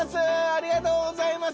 ありがとうございます！